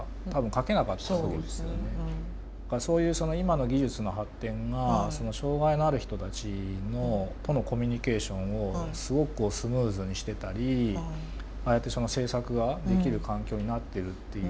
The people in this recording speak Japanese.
そういうその今の技術の発展が障害のある人たちとのコミュニケーションをすごくスムーズにしてたりああやってその制作ができる環境になってるっていう。